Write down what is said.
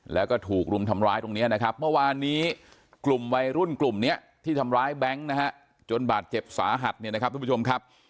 แล้วก็ถูกรุมทำร้ายตรงนี้นะครับเมื่อวานนี้กลุ่มวัยรุ่นกลุ่มนี้ที่ทำร้ายแบงค์นะฮะจนบาดเจ็บสาหัสเนี่ยนะครับทุกผู้ชมครับ